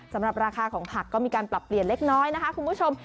สำหรับราคาของผักก็มีการปรับเปลี่ยนเล็กน้อยนะคะคุณผู้ชม